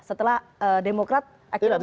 setelah demokrat akhirnya memutuskan untuk